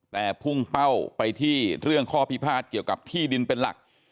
แต่พุ่งเป้าไปที่เรื่องข้อพิพาทเกี่ยวกับที่ดินเป็นหลัก